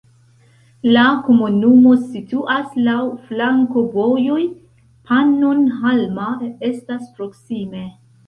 La komunumo situas laŭ flankovojoj, Pannonhalma estas proksime.